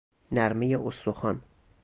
نرمه استخوان